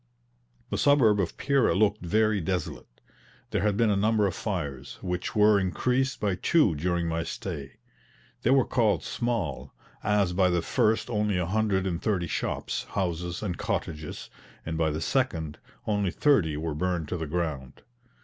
The suburb of Pera looked very desolate. There had been a number of fires, which were increased by two during my stay; they were called "small," as by the first only a hundred and thirty shops, houses, and cottages, and by the second, only thirty were burned to the ground.